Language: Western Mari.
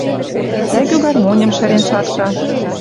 Тӓгӱ гармоньым шӹрен шакта